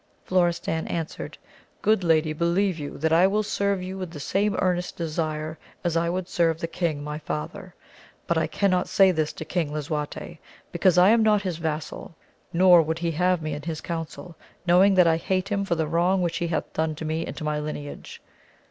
Florestan answered. Good lady, believe you, that I will serve you with the same earnest desire, as I would serve the king my father. But I cannot say this to King Lisuarte, because I am not his vassal, nor would he have me in his council, knowing that I hate him for the wrong which he hath done to me, and to my lineage.